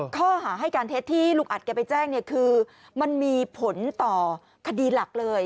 ข้อหาให้การเท็จที่ลุงอัดแกไปแจ้งเนี่ยคือมันมีผลต่อคดีหลักเลย